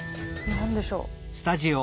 何でしょう？